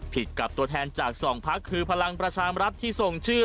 ผิดกับตัวแทนจากสองพักคือพลังประชามรัฐที่ส่งชื่อ